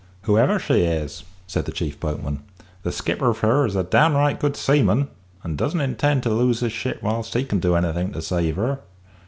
"Whoever she is," said the chief boatman, "the skipper of her is a downright good seaman, and doesn't intend to lose his ship whilst he can do anything to save her.